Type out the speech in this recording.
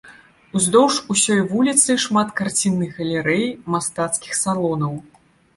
Ўздоўж усёй вуліцы шмат карцінных галерэй, мастацкіх салонаў.